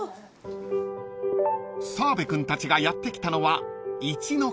［澤部君たちがやって来たのは］